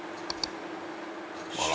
あら。